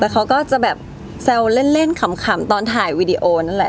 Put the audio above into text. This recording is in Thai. เขาก็จะแบบแซวเล่นขำตอนถ่ายวีดีโอนั่นแหละ